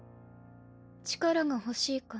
・力が欲しいか？